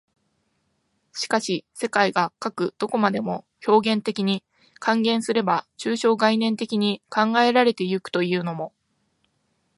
しかし世界がかく何処までも表現的に、換言すれば抽象概念的に考えられて行くというのも、